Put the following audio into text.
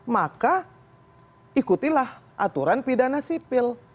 maka ikutilah aturan pidana sipil